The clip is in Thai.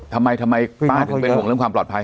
ทำไมทำไมป้าถึงเป็นห่วงเรื่องความปลอดภัย